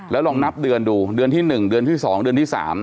แล้วลองนับเดือนดูเดือนที่๑เดือนที่๒เดือนที่๓